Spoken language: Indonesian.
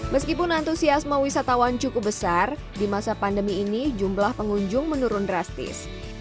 meskipun antusiasme wisatawan cukup besar di masa pandemi ini jumlah pengunjung menurun drastis